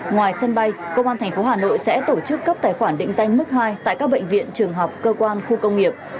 ngoài sân bay công an tp hà nội sẽ tổ chức cấp tài khoản định danh mức hai tại các bệnh viện trường học cơ quan khu công nghiệp